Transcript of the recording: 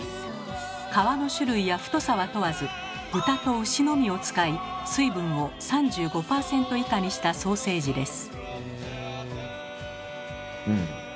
皮の種類や太さは問わず豚と牛のみを使い水分を３５％以下にしたソーセージです。